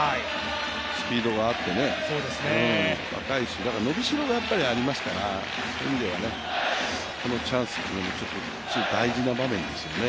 スピードがあってね、若いし伸びしろがありますからそういう意味ではこのチャンスもすごく大事な場面ですよね。